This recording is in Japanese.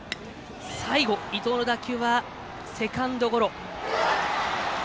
最後、伊藤の打球はセカンドゴロ。